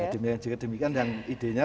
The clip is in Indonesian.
demikian juga demikian dan idenya